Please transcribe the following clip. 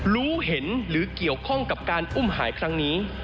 รู้เห็นหรือเกี่ยวข้องกับการอุ้มหายครั้งนี้